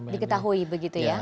diketahui begitu ya